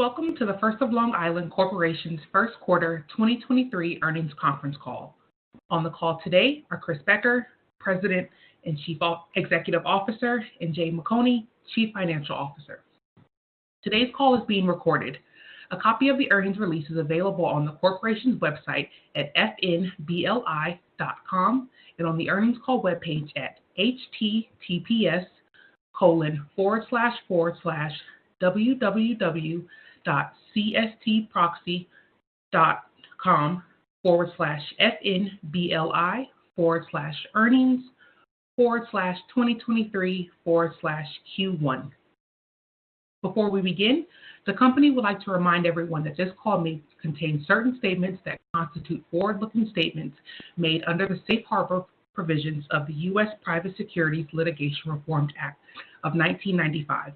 Welcome to The First of Long Island Corporation's First Quarter 2023 Earnings Conference Call. On the call today are Chris Becker, President and Chief Executive Officer, and Jay McConie, Chief Financial Officer. Today's call is being recorded. A copy of the earnings release is available on the corporation's website at fnbli.com and on the earnings call webpage at https://www.cstproxy.com/fnbli/earnings/2023/Q1. Before we begin, the company would like to remind everyone that this call may contain certain statements that constitute forward-looking statements made under the safe harbor provisions of the U.S. Private Securities Litigation Reform Act of 1995.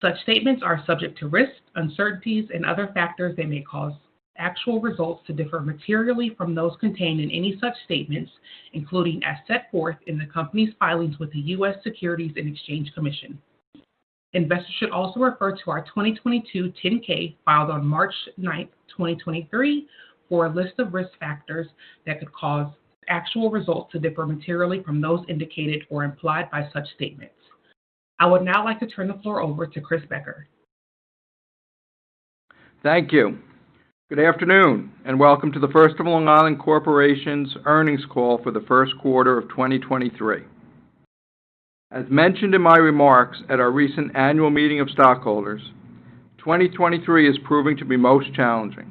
Such statements are subject to risks, uncertainties, and other factors that may cause actual results to differ materially from those contained in any such statements, including as set forth in the company's filings with the U.S. Securities and Exchange Commission. Investors should also refer to our 2022 10-K filed on March 9th, 2023, for a list of risk factors that could cause actual results to differ materially from those indicated or implied by such statements. I would now like to turn the floor over to Chris Becker. Thank you. Welcome to The First of Long Island Corporation's earnings call for the first quarter of 2023. As mentioned in my remarks at our recent annual meeting of stockholders, 2023 is proving to be most challenging.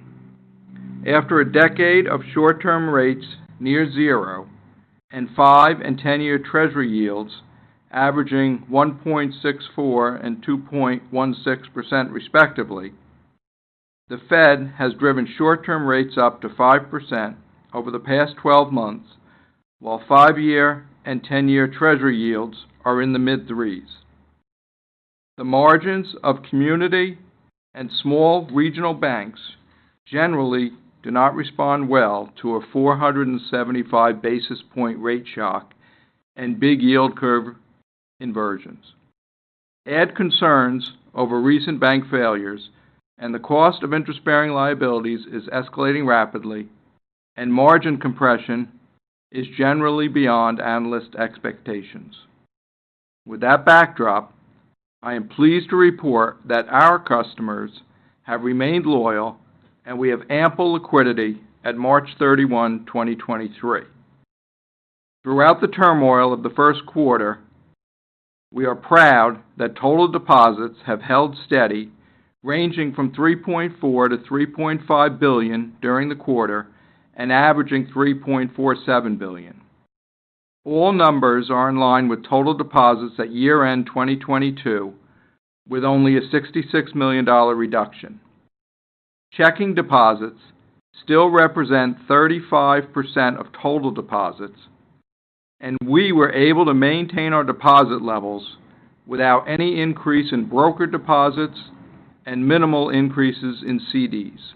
After a decade of short-term rates near zero and 5 and 10-year treasury yields averaging 1.64% and 2.16% respectively, the Fed has driven short-term rates up to 5% over the past 12 months, while 5-year and 10-year treasury yields are in the mid-threes. The margins of community and small regional banks generally do not respond well to a 475 basis point rate shock and big yield curve inversions. Add concerns over recent bank failures. The cost of interest-bearing liabilities is escalating rapidly. Margin compression is generally beyond analyst expectations. With that backdrop, I am pleased to report that our customers have remained loyal, and we have ample liquidity at March 31, 2023. Throughout the turmoil of the first quarter, we are proud that total deposits have held steady, ranging from $3.4 billion-$3.5 billion during the quarter and averaging $3.47 billion. All numbers are in line with total deposits at year-end 2022, with only a $66 million reduction. Checking deposits still represent 35% of total deposits, and we were able to maintain our deposit levels without any increase in broker deposits and minimal increases in CDs.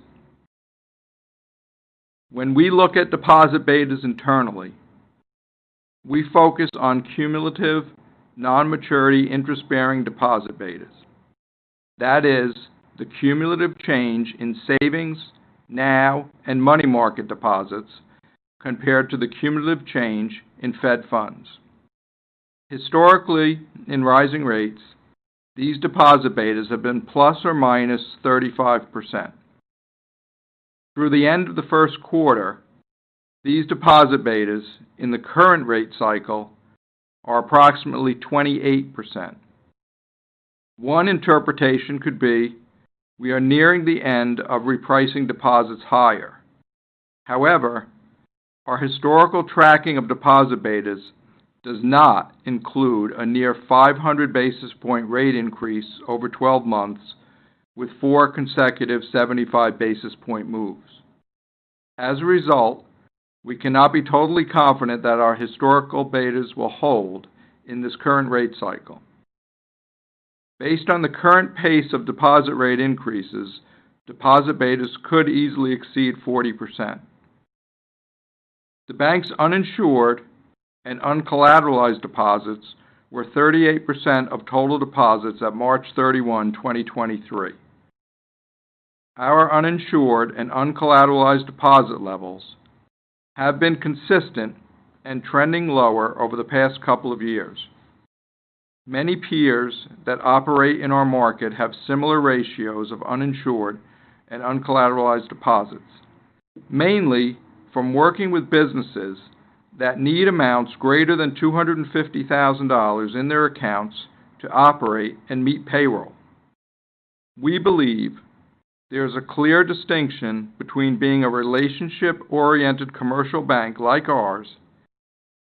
When we look at deposit betas internally, we focus on cumulative non-maturity interest-bearing deposit betas. That is the cumulative change in savings now and money market deposits compared to the cumulative change in Fed Funds. Historically, in rising rates, these deposit betas have been ±35%. Through the end of the first quarter, these deposit betas in the current rate cycle are approximately 28%. One interpretation could be we are nearing the end of repricing deposits higher. Our historical tracking of deposit betas does not include a near 500 basis point rate increase over 12 months with four consecutive 75 basis point moves. We cannot be totally confident that our historical betas will hold in this current rate cycle. Based on the current pace of deposit rate increases, deposit betas could easily exceed 40%. The bank's uninsured and uncollateralized deposits were 38% of total deposits at March 31, 2023. Our uninsured and uncollateralized deposit levels have been consistent and trending lower over the past couple of years. Many peers that operate in our market have similar ratios of uninsured and uncollateralized deposits, mainly from working with businesses that need amounts greater than $250,000 in their accounts to operate and meet payroll. We believe there is a clear distinction between being a relationship-oriented commercial bank like ours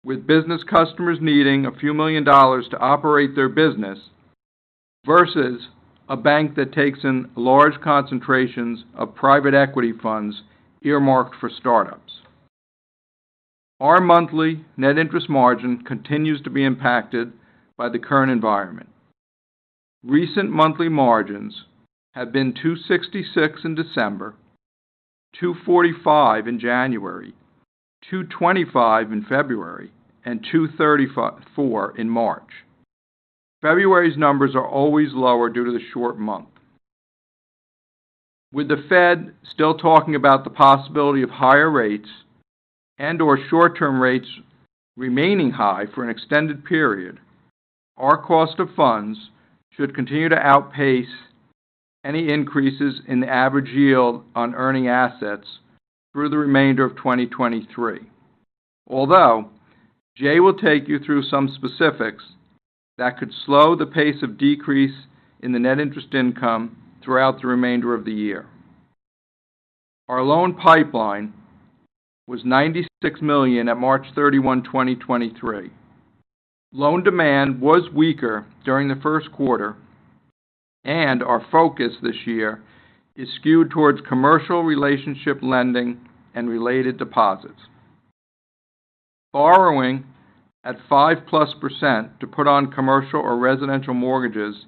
with business customers needing a few million dollars to operate their business versus a bank that takes in large concentrations of private equity funds earmarked for startups. Our monthly net interest margin continues to be impacted by the current environment. Recent monthly margins have been 2.66% in December, 2.45% in January, 2.25% in February, and 2.34% in March. February's numbers are always lower due to the short month. With the Fed still talking about the possibility of higher rates and/or short-term rates remaining high for an extended period, our cost of funds should continue to outpace any increases in the average yield on earning assets through the remainder of 2023. Jay will take you through some specifics that could slow the pace of decrease in the net interest income throughout the remainder of the year. Our loan pipeline was $96 million at March 31, 2023. Loan demand was weaker during the first quarter, and our focus this year is skewed towards commercial relationship lending and related deposits. Borrowing at +5% to put on commercial or residential mortgages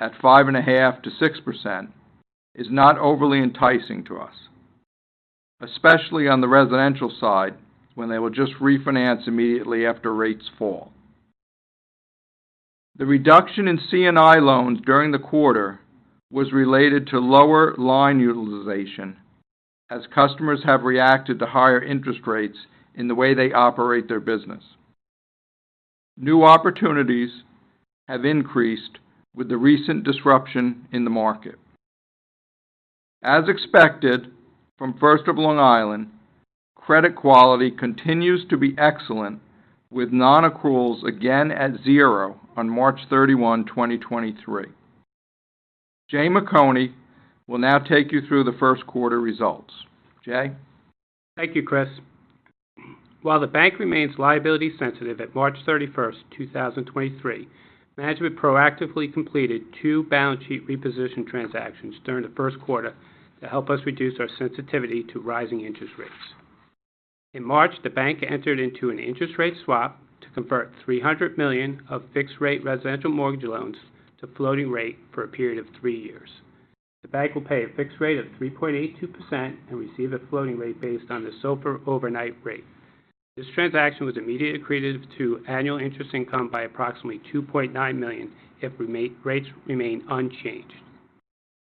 at 5.5%-6% is not overly enticing to us, especially on the residential side when they will just refinance immediately after rates fall. The reduction in C&I loans during the quarter was related to lower line utilization as customers have reacted to higher interest rates in the way they operate their business. New opportunities have increased with the recent disruption in the market. As expected from First of Long Island, credit quality continues to be excellent, with non-accruals again at zero on March 31, 2023. Jay McConie will now take you through the first quarter results. Jay? Thank you, Chris. While the bank remains liability sensitive at March 31, 2023, management proactively completed two balance sheet reposition transactions during the first quarter to help us reduce our sensitivity to rising interest rates. In March, the bank entered into an interest rate swap to convert $300 million of fixed-rate residential mortgage loans to floating rate for a period of three years. The bank will pay a fixed rate of 3.82% and receive a floating rate based on the SOFR overnight rate. This transaction was immediately accretive to annual interest income by approximately $2.9 million if rates remain unchanged.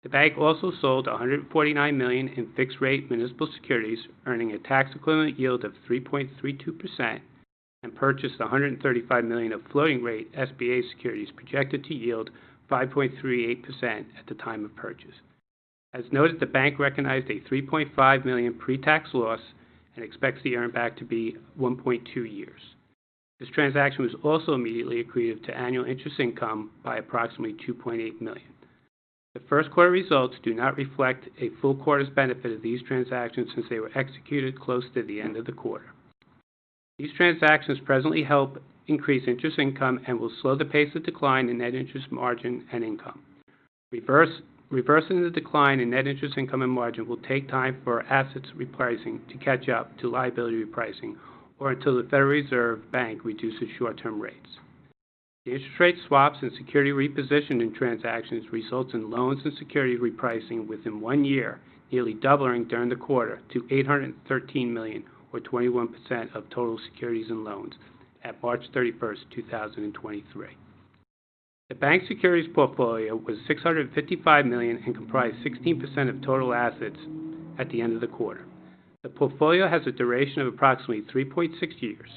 The bank also sold $149 million in fixed-rate municipal securities, earning a tax-equivalent yield of 3.32% and purchased $135 million of floating rate SBA securities projected to yield 5.38% at the time of purchase. As noted, the bank recognized a $3.5 million pre-tax loss and expects the earn back to be 1.2 years. This transaction was also immediately accretive to annual interest income by approximately $2.8 million. The first quarter results do not reflect a full quarter's benefit of these transactions since they were executed close to the end of the quarter. These transactions presently help increase interest income and will slow the pace of decline in net interest margin and income. Reversing the decline in net interest income and margin will take time for assets repricing to catch up to liability repricing or until the Federal Reserve Bank reduces short-term rates. The interest rate swaps and security repositioning transactions result in loans and security repricing within one year, nearly doubling during the quarter to $813 million or 21% of total securities and loans at March 31, 2023. The bank securities portfolio was $655 million and comprised 16% of total assets at the end of the quarter. The portfolio has a duration of approximately 3.6 years.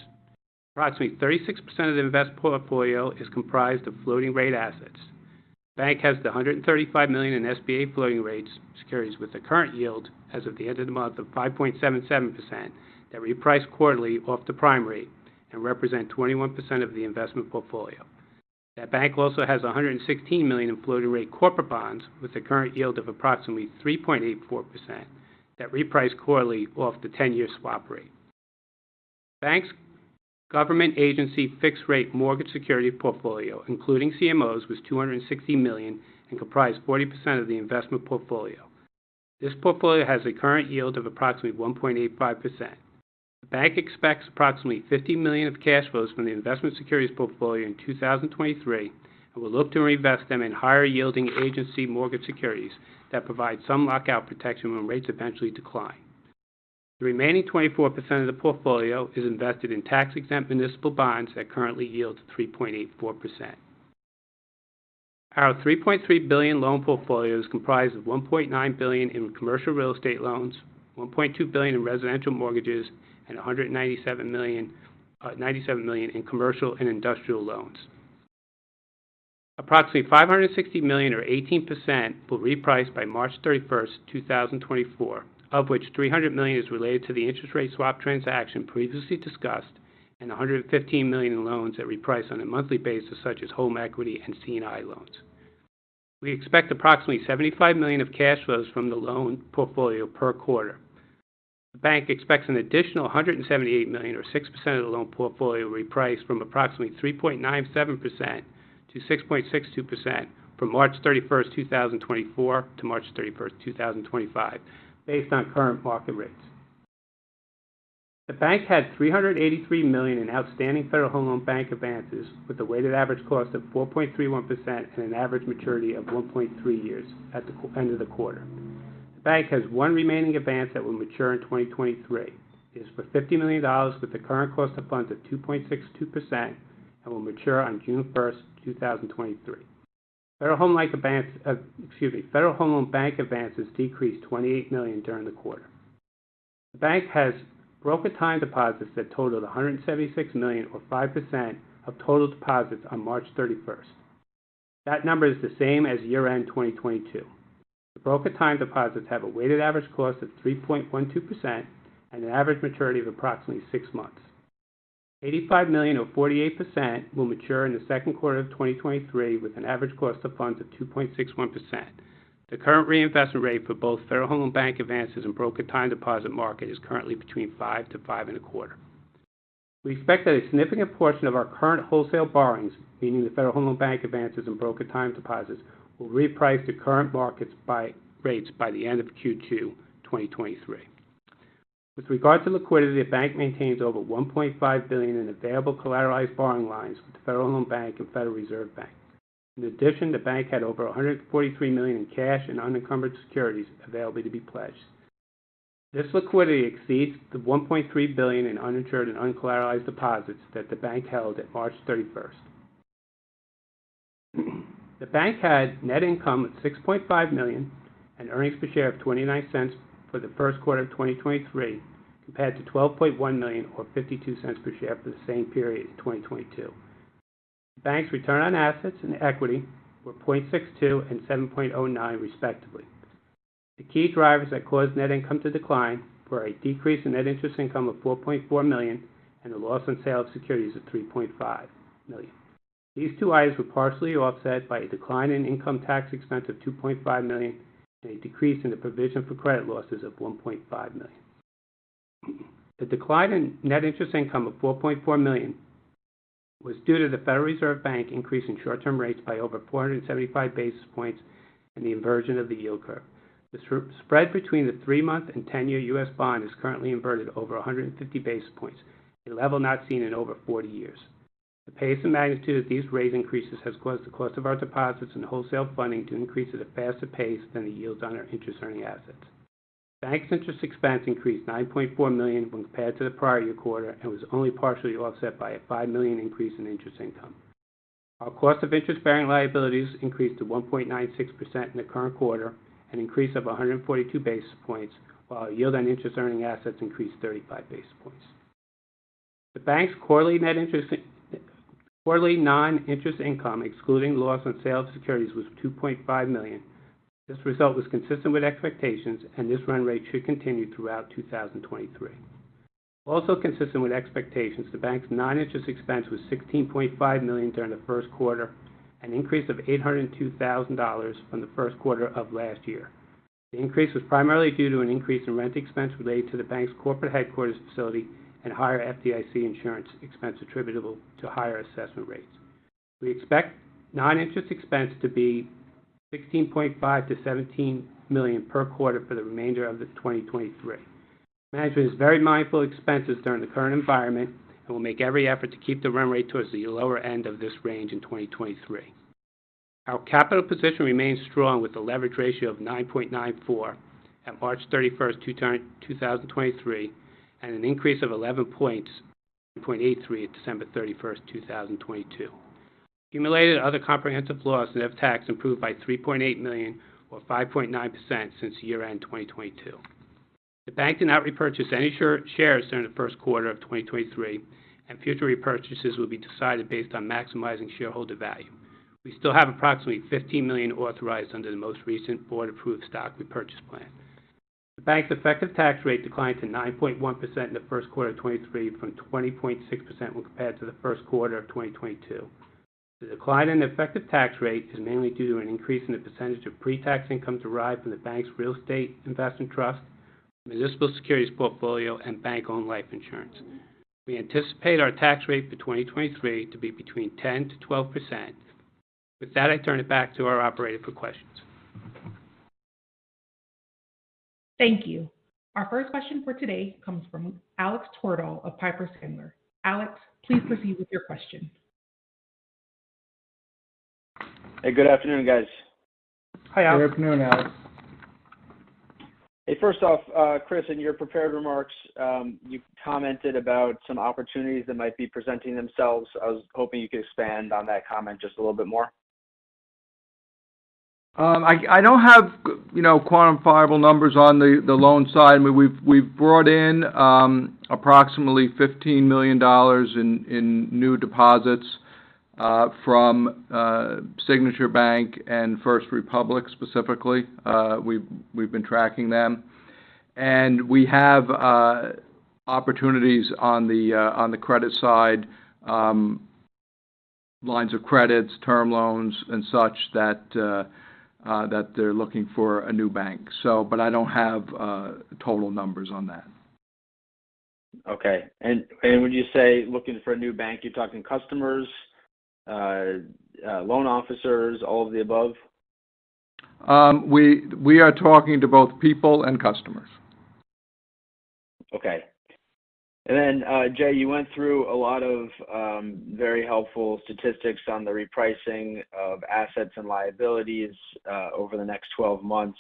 Approximately 36% of the invest portfolio is comprised of floating rate assets. Bank has the $135 million in SBA floating rates securities with the current yield as of the end of the month of 5.77% that reprice quarterly off the prime rate and represent 21% of the investment portfolio. That bank also has a $116 million in floating rate corporate bonds with a current yield of approximately 3.84% that reprice quarterly off the 10-year swap rate. Bank's government agency fixed-rate mortgage security portfolio, including CMOs, was $260 million and comprised 40% of the investment portfolio. This portfolio has a current yield of approximately 1.85%. The bank expects approximately $50 million of cash flows from the investment securities portfolio in 2023 and will look to reinvest them in higher-yielding agency mortgage securities that provide some lockout protection when rates eventually decline. The remaining 24% of the portfolio is invested in tax-exempt municipal bonds that currently yield 3.84%. Our $3.3 billion loan portfolio is comprised of $1.9 billion in commercial real estate loans, $1.2 billion in residential mortgages, and $97 million in commercial and industrial loans. Approximately $560 million or 18% will reprice by March 31, 2024, of which $300 million is related to the interest rate swap transaction previously discussed and $115 million in loans that reprice on a monthly basis such as home equity and C&I loans. We expect approximately $75 million of cash flows from the loan portfolio per quarter. The bank expects an additional $178 million or 6% of the loan portfolio will reprice from approximately 3.97% to 6.62% from March 31, 2024 to March 31, 2025 based on current market rates. The bank had $383 million in outstanding Federal Home Loan Bank advances with a weighted average cost of 4.31% and an average maturity of 1.3 years at the end of the quarter. The bank has one remaining advance that will mature in 2023. It is for $50 million with the current cost of funds of 2.62% and will mature on June 1, 2023. Federal Home Loan Bank advances decreased $28 million during the quarter. The bank has broker time deposits that totaled $176 million or 5% of total deposits on March 31st. That number is the same as year-end 2022. The broker time deposits have a weighted average cost of 3.12% and an average maturity of approximately six months. $85 million or 48% will mature in the second quarter of 2023 with an average cost of funds of 2.61%. The current reinvestment rate for both Federal Home Loan Bank advances and broker time deposit market is currently between 5%-5.25%. We expect that a significant portion of our current wholesale borrowings, meaning the Federal Home Loan Bank advances and broker time deposits, will reprice to current markets by rates by the end of Q2 2023. With regard to liquidity, the bank maintains over $1.5 billion in available collateralized borrowing lines with the Federal Home Loan Bank and Federal Reserve Bank. The bank had over $143 million in cash and unencumbered securities available to be pledged. This liquidity exceeds the $1.3 billion in uninsured and uncollateralized deposits that the bank held at March 31st. The bank had net income at $6.5 million and earnings per share of $0.29 for the first quarter of 2023, compared to $12.1 million or $0.52 per share for the same period in 2022. The bank's return on assets and equity were 0.62% and 7.09% respectively. The key drivers that caused net income to decline were a decrease in net interest income of $4.4 million and a loss on sale of securities of $3.5 million. These two items were partially offset by a decline in income tax expense of $2.5 million and a decrease in the provision for credit losses of $1.5 million. The decline in net interest income of $4.4 million was due to the Federal Reserve Bank increasing short-term rates by over 475 basis points and the inversion of the yield curve. The spread between the three-month and 10-year U.S. bond is currently inverted over 150 basis points, a level not seen in over 40 years. The pace and magnitude of these rate increases has caused the cost of our deposits and wholesale funding to increase at a faster pace than the yields on our interest earning assets. Bank's interest expense increased $9.4 million when compared to the prior year quarter, was only partially offset by a $5 million increase in interest income. Our cost of interest-bearing liabilities increased to 1.96% in the current quarter, an increase of 142 basis points, while our yield on interest earning assets increased 35 basis points. The Bank's quarterly non-interest income, excluding loss on sale of securities, was $2.5 million. This result was consistent with expectations, and this run rate should continue throughout 2023. Also consistent with expectations, the bank's non-interest expense was $16.5 million during the first quarter, an increase of $802,000 from the first quarter of last year. The increase was primarily due to an increase in rent expense related to the bank's corporate headquarters facility and higher FDIC insurance expense attributable to higher assessment rates. We expect non-interest expense to be $16.5 million-$17 million per quarter for the remainder of 2023. Management is very mindful of expenses during the current environment and will make every effort to keep the run rate towards the lower end of this range in 2023. Our capital position remains strong with a leverage ratio of 9.94% at March 31st, 2023, and an increase of 11 points from 9.83% at December 31st, 2022. Accumulated other comprehensive loss net of tax improved by $3.8 million or 5.9% since year-end 2022. The bank did not repurchase any shares during the first quarter of 2023, and future repurchases will be decided based on maximizing shareholder value. We still have approximately $15 million authorized under the most recent board-approved stock repurchase plan. The bank's effective tax rate declined to 9.1% in the first quarter of 2023 from 20.6% when compared to the first quarter of 2022. The decline in effective tax rate is mainly due to an increase in the percentage of pre-tax income derived from the bank's real estate investment trust, municipal securities portfolio, and bank-owned life insurance. We anticipate our tax rate for 2023 to be between 10%-12%. With that, I turn it back to our operator for questions. Thank you. Our first question for today comes from Alexander Twerdahl of Piper Sandler. Alex, please proceed with your question. Hey, good afternoon, guys. Hi, Alex. Good afternoon, Alex. Hey. First off, Chris, in your prepared remarks, you commented about some opportunities that might be presenting themselves. I was hoping you could expand on that comment just a little bit more. I don't have you know, quantifiable numbers on the loan side. I mean, we've brought in approximately $15 million in new deposits from Signature Bank and First Republic specifically. We've been tracking them. We have opportunities on the credit side, lines of credits, term loans and such that they're looking for a new bank. I don't have total numbers on that. Okay. When you say looking for a new bank, you're talking customers, loan officers, all of the above? We are talking to both people and customers. Okay. Jay, you went through a lot of very helpful statistics on the repricing of assets and liabilities over the next 12 months.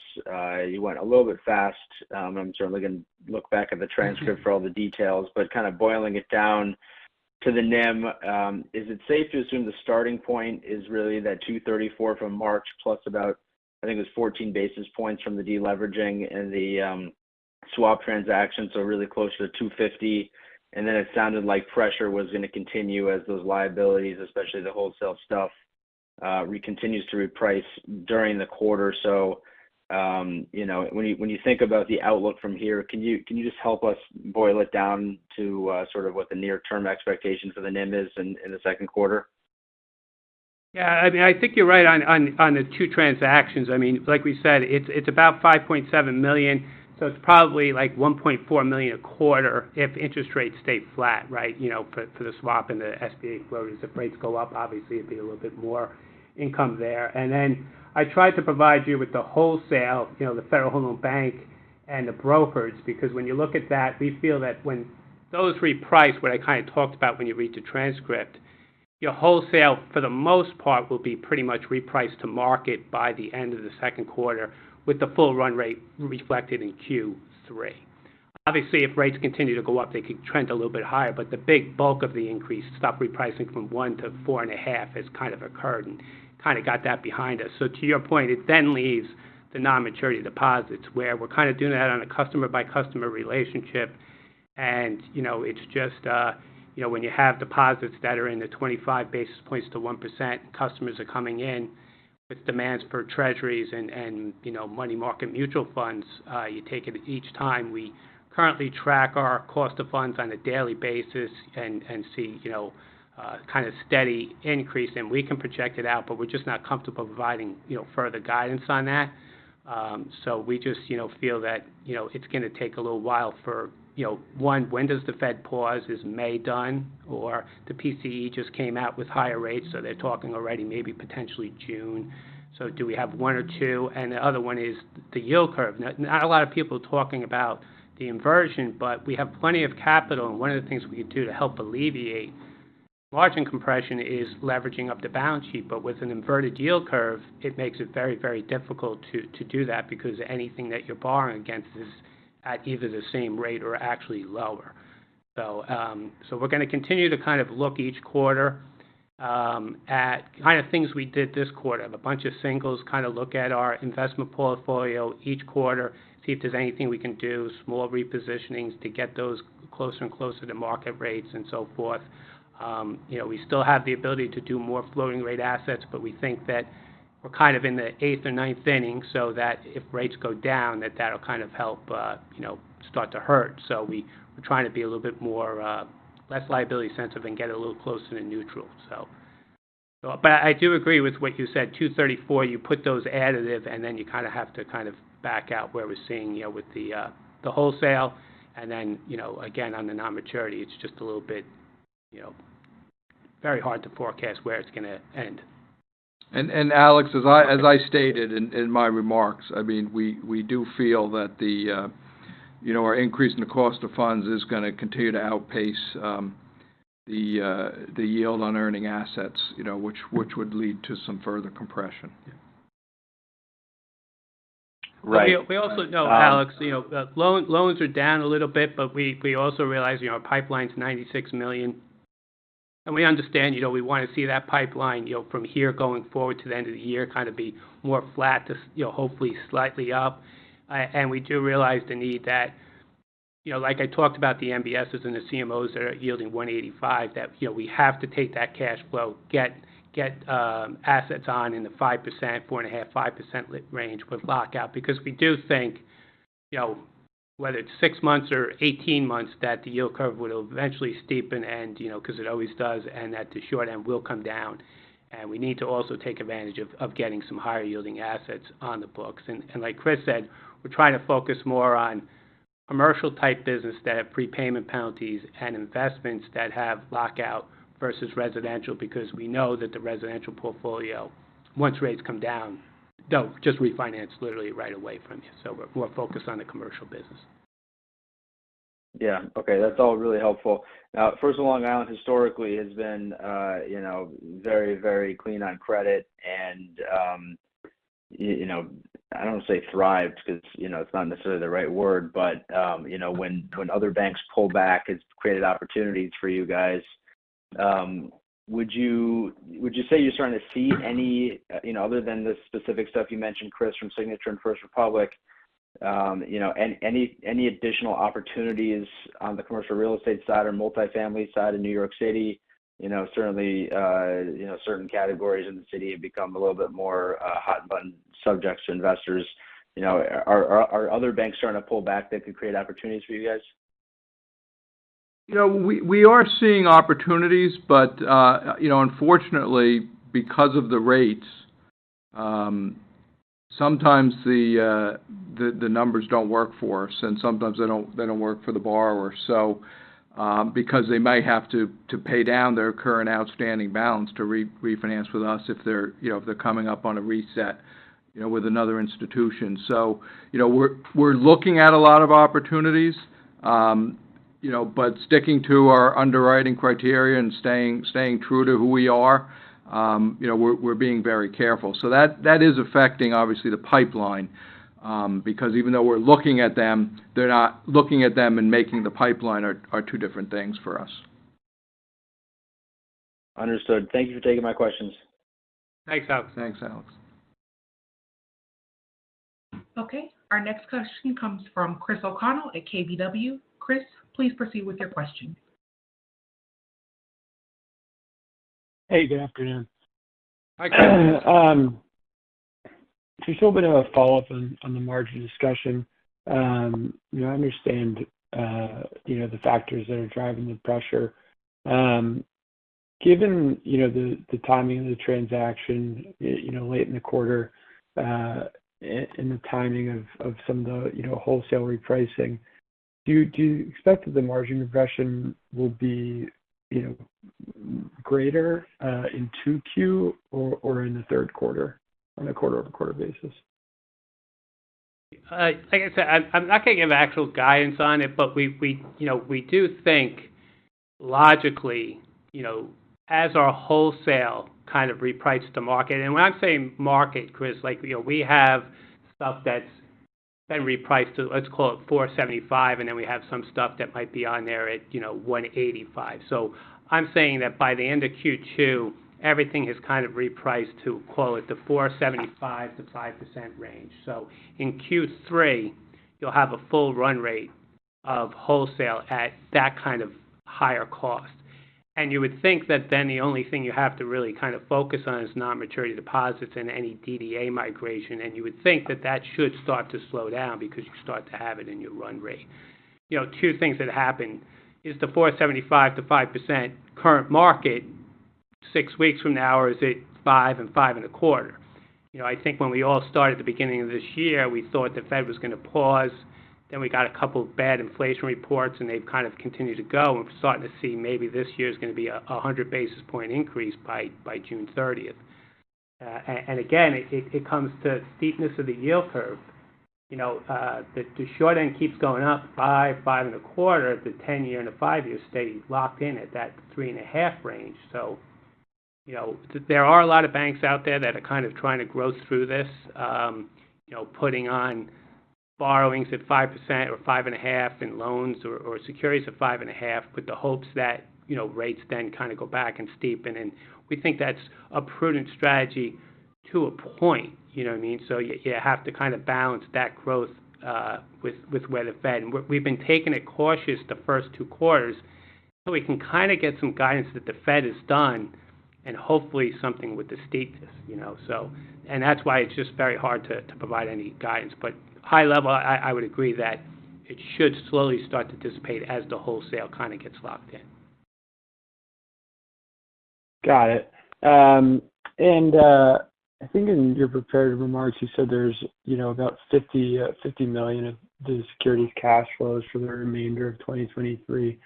You went a little bit fast. I'm certainly gonna look back at the transcript for all the details. Kind of boiling it down to the NIM, is it safe to assume the starting point is really that 234 from March plus about, I think it was 14 basis points from the deleveraging and the swap transaction, so really close to the 250. It sounded like pressure was gonna continue as those liabilities, especially the wholesale stuff, continues to reprice during the quarter. You know, when you think about the outlook from here, can you just help us boil it down to sort of what the near term expectation for the NIM is in the second quarter? I mean, I think you're right on the two transactions. I mean, like we said, it's about $5.7 million, so it's probably like $1.4 million a quarter if interest rates stay flat, right? You know, for the swap and the SBA floaters. If rates go up, obviously it'd be a little bit more income there. I tried to provide you with the wholesale, you know, the Federal Home Loan Bank and the brokers, because when you look at that, we feel that when those reprice, what I kind of talked about when you read the transcript, your wholesale, for the most part, will be pretty much repriced to market by the end of the second quarter with the full run rate reflected in Q3. If rates continue to go up, they could trend a little bit higher, but the big bulk of the increase, stock repricing from 1%-4.5% has kind of occurred, and kind of got that behind us. To your point, it then leaves the non-maturity deposits, where we're kind of doing that on a customer by customer relationship. You know, it's just, you know, when you have deposits that are in the 25 basis points to 1%, customers are coming in with demands for treasuries and, you know, money market mutual funds. You take it each time. We currently track our cost of funds on a daily basis and see, you know, kind of steady increase, and we can project it out, but we're just not comfortable providing, you know, further guidance on that. We just, you know, feel that, you know, it's going to take a little while for, you know, one, when does the Fed pause? Is May done or the PCE just came out with higher rates, so they're talking already maybe potentially June. Do we have one or two? The other one is the yield curve. Not a lot of people talking about the inversion, but we have plenty of capital, and one of the things we could do to help alleviate margin compression is leveraging up the balance sheet. With an inverted yield curve, it makes it very, very difficult to do that because anything that you're borrowing against is at either the same rate or actually lower. We're going to continue to kind of look each quarter at kind of things we did this quarter. The bunch of singles kind of look at our investment portfolio each quarter, see if there's anything we can do, small repositionings to get those closer and closer to market rates and so forth. You know, we still have the ability to do more floating rate assets, but we think that we're kind of in the eighth or ninth inning, so that if rates go down, that that'll kind of help, you know, start to hurt. We're trying to be a little bit more, less liability sensitive and get a little closer to neutral. I do agree with what you said, 234, you put those additive, and then you kind of have to kind of back out where we're seeing, you know, with the wholesale. you know, again, on the non-maturity, it's just a little bit, you know, very hard to forecast where it's gonna end. Alex, as I stated in my remarks, I mean, we do feel that the, you know, our increase in the cost of funds is gonna continue to outpace, the yield on earning assets, you know, which would lead to some further compression. Right. We also know, Alex, you know, loans are down a little bit, but we also realize, you know, our pipeline's $96 million. We understand, you know, we wanna see that pipeline, you know, from here going forward to the end of the year, kind of be more flat to, you know, hopefully slightly up. We do realize the need that, you know, like I talked about the MBS or the CMOs that are yielding 1.85%, that, you know, we have to take that cash flow, get assets on in the 5%, 4.5%-5% range with lockout. We do think, you know, whether it's 6 months or 18 months, that the yield curve would eventually steepen and, you know, 'cause it always does. That the short end will come down. We need to also take advantage of getting some higher yielding assets on the books. Like Chris said, we're trying to focus more on commercial type business that have prepayment penalties and investments that have lockout versus residential because we know that the residential portfolio, once rates come down, they'll just refinance literally right away from you. We're more focused on the commercial business. Yeah. Okay. That's all really helpful. First of Long Island historically has been, you know, very, very clean on credit and, you know, I don't want to say thrived because, you know, it's not necessarily the right word, but, you know, when other banks pull back, it's created opportunities for you guys. Would you say you're starting to see any, you know, other than the specific stuff you mentioned, Chris, from Signature and First Republic, you know, any additional opportunities on the commercial real estate side or multifamily side in New York City? You know, certainly, you know, certain categories in the city have become a little bit more hot button subjects to investors. You know, are other banks starting to pull back that could create opportunities for you guys? You know, we are seeing opportunities. You know, unfortunately because of the rates, sometimes the numbers don't work for us, and sometimes they don't work for the borrower. Because they might have to pay down their current outstanding balance to refinance with us if they're, you know, if they're coming up on a reset, you know, with another institution. You know, we're looking at a lot of opportunities, you know, but sticking to our underwriting criteria and staying true to who we are, you know, we're being very careful. That is affecting obviously the pipeline, because even though we're looking at them, looking at them and making the pipeline are two different things for us. Understood. Thank you for taking my questions. Thanks, Alex. Thanks, Alex. Okay. Our next question comes from Chris O'Connell at KBW. Chris, please proceed with your question. Hey, good afternoon. Hi. Just a little bit of a follow-up on the margin discussion. You know, I understand, you know, the factors that are driving the pressure. Given, you know, the timing of the transaction, you know, late in the quarter, and the timing of some of the, you know, wholesale repricing, do you expect that the margin compression will be, you know, greater in 2Q or in the third quarter on a quarter-over-quarter basis? like I said, I'm not gonna give actual guidance on it, but we, you know, we do think logically, you know, as our wholesale kind of reprice the market. When I'm saying market, Chris, like, you know, we have stuff that's been repriced to let's call it 4.75%, and then we have some stuff that might be on there at, you know, 1.85%. I'm saying that by the end of Q2, everything is kind of repriced to call it the 4.75%-5% range. In Q3, you'll have a full run rate of wholesale at that kind of higher cost. You would think that then the only thing you have to really kind of focus on is non-maturity deposits and any DDA migration, and you would think that that should start to slow down because you start to have it in your run rate. You know, two things that happen is the 4.75%-5% current market six weeks from now, or is it 5% and 5.25%. You know, I think when we all started at the beginning of this year, we thought the Fed was gonna pause. We got a couple bad inflation reports, and they've kind of continued to go, and we're starting to see maybe this year is gonna be a 100 basis point increase by June 30th. Again, it comes to steepness of the yield curve. You know, the short end keeps going up 5.25%. The 10-year and the five-year stay locked in at that 3.5 range. You know, there are a lot of banks out there that are kind of trying to grow through this, you know, putting on borrowings at 5% or 5.5% in loans or securities of 5.5% with the hopes that, you know, rates then kind of go back and steepen. We think that's a prudent strategy to a point, you know what I mean? You have to kind of balance that growth with where the Fed-- We've been taking it cautious the first two quarters, so we can kind of get some guidance that the Fed is done and hopefully something with the steepness, you know. That's why it's just very hard to provide any guidance. High level, I would agree that it should slowly start to dissipate as the wholesale kind of gets locked in. Got it. I think in your prepared remarks, you said there's, you know, about $50 million of the securities cash flows for the remainder of 2023.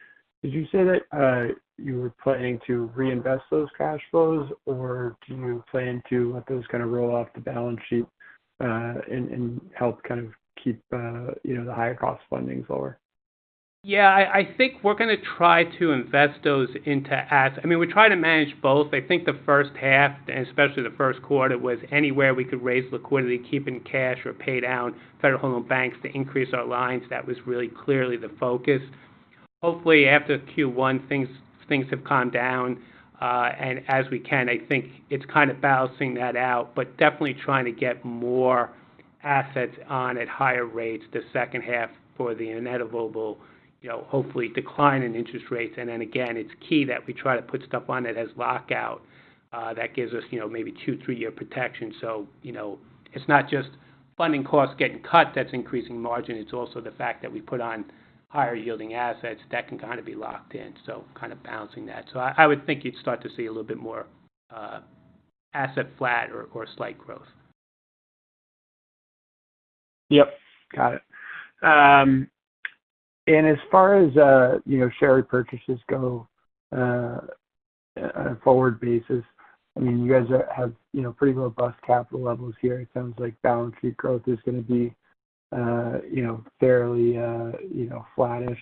Did you say that you were planning to reinvest those cash flows, or do you plan to let those kind of roll off the balance sheet, and help kind of keep, you know, the higher cost fundings lower? Yeah. I think we're gonna try to invest those into assets. I mean, we try to manage both. I think the first half, and especially the first quarter, was anywhere we could raise liquidity, keep in cash or pay down federal home loan banks to increase our lines. That was really clearly the focus. Hopefully after Q1, things have calmed down. As we can, I think it's kind of balancing that out, but definitely trying to get more assets on at higher rates the second half for the inevitable, you know, hopefully decline in interest rates. Again, it's key that we try to put stuff on that has lockout, that gives us, you know, maybe two, three-year protection. You know, it's not just funding costs getting cut that's increasing margin, it's also the fact that we put on higher yielding assets that can kind of be locked in. Kind of balancing that. I would think you'd start to see a little bit more, asset flat or slight growth. Yep. Got it. As far as, you know, share repurchases go, on a forward basis, I mean, you guys have, you know, pretty robust capital levels here. It sounds like balance sheet growth is gonna be, you know, fairly, you know, flattish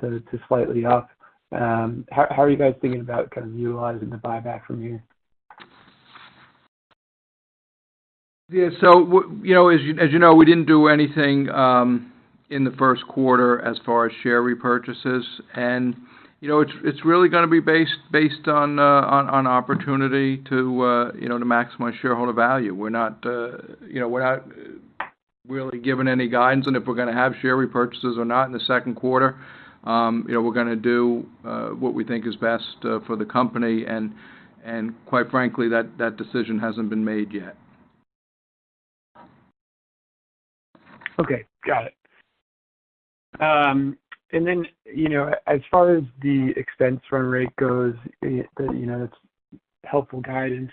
to slightly up. How are you guys thinking about kind of utilizing the buyback from here? Yeah. You know, as you know, we didn't do anything in the first quarter as far as share repurchases. You know, it's really gonna be based on opportunity to, you know, to maximize shareholder value. We're not, you know, we're not really given any guidance on if we're gonna have share repurchases or not in the second quarter. You know, we're gonna do what we think is best for the company. Quite frankly, that decision hasn't been made yet. Okay. Got it. You know, as far as the expense run rate goes, you know, it's helpful guidance.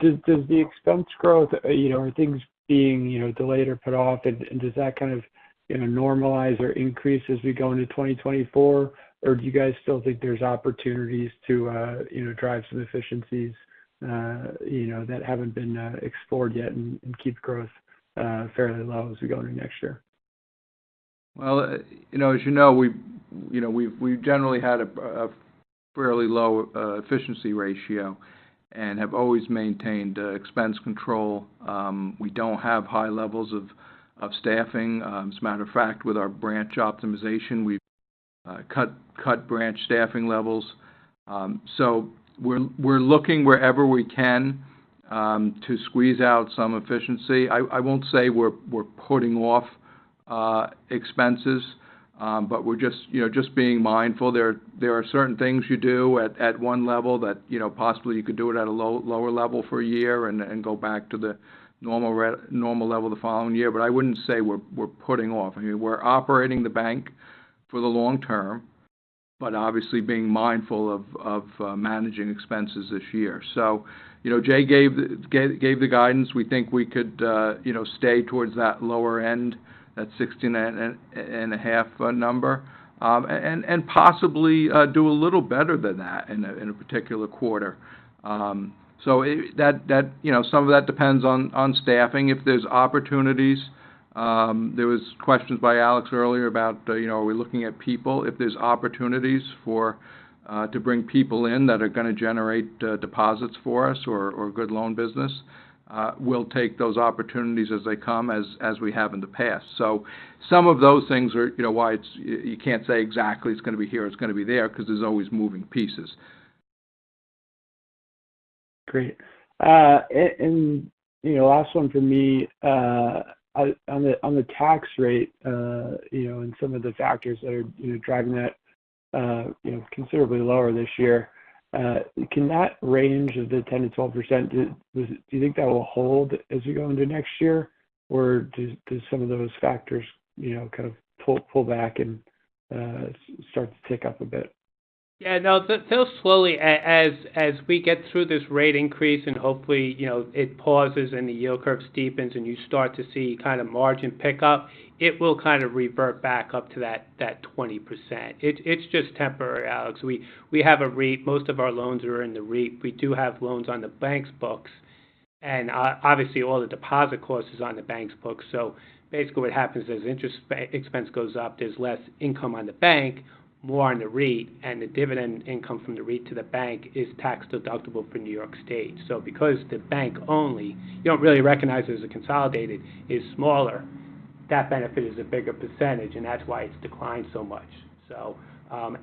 Does the expense growth, you know, are things being, you know, delayed or put off and does that kind of, you know, normalize or increase as we go into 2024? Do you guys still think there's opportunities to, you know, drive some efficiencies, you know, that haven't been, explored yet and keep growth, fairly low as we go into next year? Well, you know, as you know, we, you know, we've generally had a fairly low efficiency ratio and have always maintained expense control. We don't have high levels of staffing. As a matter of fact, with our branch optimization, we've cut branch staffing levels. So we're looking wherever we can to squeeze out some efficiency. I won't say we're putting off expenses, but we're just, you know, just being mindful. There, there are certain things you do at one level that, you know, possibly you could do it at a low-lower level for a year and go back to the normal level the following year. I wouldn't say we're putting off. I mean, we're operating the bank for the long term, but obviously being mindful of managing expenses this year. You know, Jay gave the guidance. We think we could, you know, stay towards that lower end, that $16.5 million number, and possibly do a little better than that in a particular quarter. That, you know, some of that depends on staffing. If there's opportunities, there was questions by Alex earlier about, you know, are we looking at people. If there's opportunities for to bring people in that are gonna generate deposits for us or good loan business, we'll take those opportunities as they come, as we have in the past. Some of those things are, you know, why you can't say exactly it's gonna be here or it's gonna be there because there's always moving pieces. Great. You know, last one for me. On the, on the tax rate, you know, and some of the factors that are, you know, driving that, you know, considerably lower this year, can that range of the 10%-12%, do you think that will hold as we go into next year? Or do some of those factors, you know, kind of pull back and start to tick up a bit? Yeah. No. They'll slowly as we get through this rate increase hopefully, you know, it pauses and the yield curve steepens and you start to see kind of margin pick up, it will kind of revert back up to that 20%. It's just temporary, Chris. We have a REIT. Most of our loans are in the REIT. We do have loans on the bank's books, obviously, all the deposit cost is on the bank's book. Basically what happens as interest expense goes up, there's less income on the bank, more on the REIT, and the dividend income from the REIT to the bank is tax-deductible for New York State. Because the bank only, you don't really recognize it as a consolidated, is smaller. That benefit is a bigger percentage, that's why it's declined so much.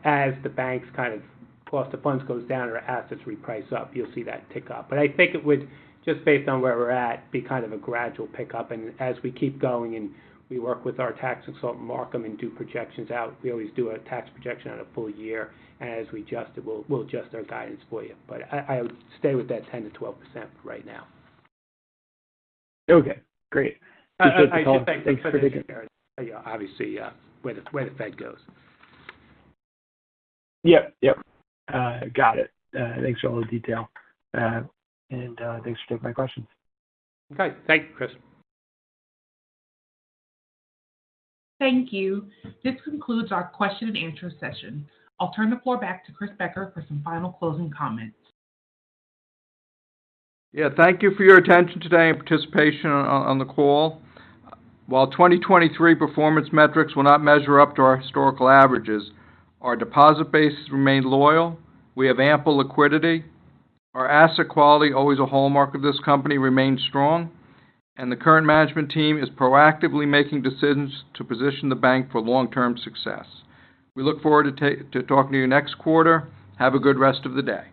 As the bank's kind of cost of funds goes down or assets reprice up, you'll see that tick up. I think it would, just based on where we're at, be kind of a gradual pickup. As we keep going and we work with our tax consultant, Marcum, and do projections out, we always do a tax projection on a full year. As we adjust it, we'll adjust our guidance for you. I would stay with that 10%-12% right now. Okay, great. That depends, obviously, yeah, where the, where the Fed goes. Yep. Got it. Thanks for all the detail. Thanks for taking my questions. Okay. Thank you, Chris. Thank you. This concludes our question and answer session. I'll turn the floor back to Chris Becker for some final closing comments. Yeah. Thank you for your attention today and participation on the call. While 2023 performance metrics will not measure up to our historical averages, our deposit base has remained loyal. We have ample liquidity. Our asset quality, always a hallmark of this company, remains strong. The current management team is proactively making decisions to position the bank for long-term success. We look forward to talking to you next quarter. Have a good rest of the day.